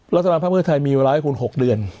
แล้วสำหรับภาคมือไทยมีเวลาให้คุณ๖เดือน